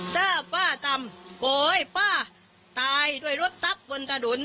ถ้าป้าตำโขยป้าตายด้วยรถทับบนทะดุล